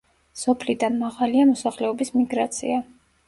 სოფლიდან მაღალია მოსახლეობის მიგრაცია.